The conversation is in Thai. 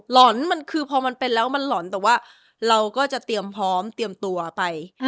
หล่อนมันคือพอมันเป็นแล้วมันหล่อนแต่ว่าเราก็จะเตรียมพร้อมเตรียมตัวไป